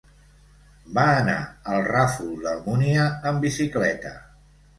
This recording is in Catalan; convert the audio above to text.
Va anar al Ràfol d'Almúnia amb bicicleta.